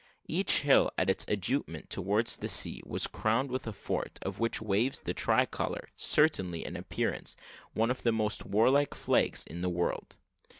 Each hill, at its ajutment towards the sea, was crowned with a fort, on which waves the tri colour certainly, in appearance, one of the most warlike flags in the world.